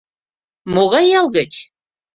— Могай ял гыч?